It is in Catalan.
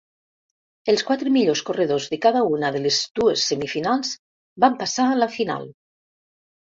Els quatre millors corredors de cada una de les dues semifinals van passar a la final.